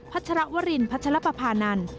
พัชลวรินพัชลปภานันต์